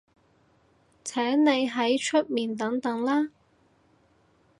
請你喺出面等等啦